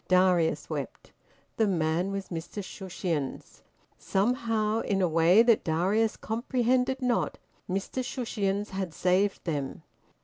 Darius wept. The man was Mr Shushions. Somehow, in a way that Darius comprehended not, Mr Shushions had saved them.